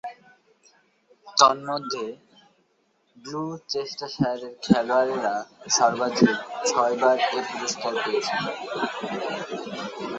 তন্মধ্যে, গ্লুচেস্টারশায়ারের খেলোয়াড়েরা সর্বাধিক ছয়বার এ পুরস্কার পেয়েছে।